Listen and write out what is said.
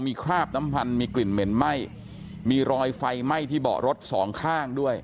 มีคราบน้ำพันธุ์มีกลิ่นเหม็นไหม้มีรอยไฟไหม้ที่เบาะรถสองข้างด้วย